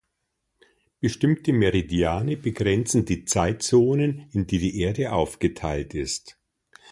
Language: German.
Bestimmte Meridiane begrenzen die Zeitzonen, in die die Erde aufgeteilt ist.